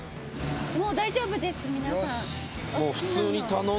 もう大丈夫ですみなさん。